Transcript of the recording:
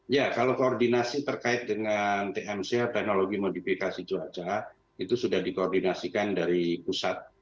ya kalau koordinasi terkait dengan tmc teknologi modifikasi cuaca itu sudah dikoordinasikan dari pusat